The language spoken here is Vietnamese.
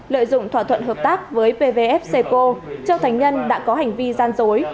lợi dụng thỏa thuận hợp tác với pvf ceco châu thành nhân đã có hành vi gian dối